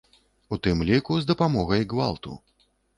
У тым ліку з дапамогай гвалту.